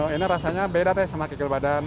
ini rasanya beda deh sama kikil badan